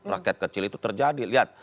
rakyat kecil itu terjadi lihat